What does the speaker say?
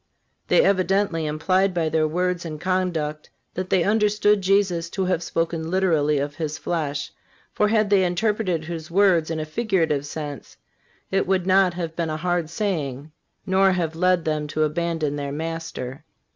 (369) They evidently implied, by their words and conduct, that they understood Jesus to have spoken literally of His flesh; for, had they interpreted His words in a figurative sense, it would not have been a hard saying, nor have led them to abandon their Master.